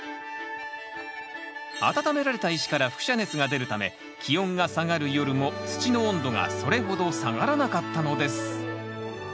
温められた石から輻射熱が出るため気温が下がる夜も土の温度がそれほど下がらなかったのです。